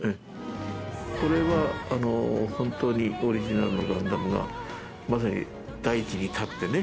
これはホントにオリジナルのガンダムがまさに大地に立ってねくれるのを。